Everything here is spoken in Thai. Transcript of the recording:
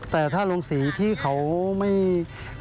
แต่ถ้าโรงสีที่เขาไม่ได้อะไร